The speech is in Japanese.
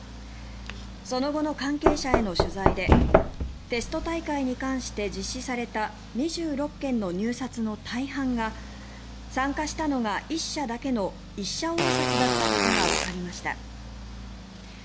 その後の関係者への取材でテスト大会に関して実施された２６件の入札の大半が参加したのが１社だけの１社応札だったことがわかりました。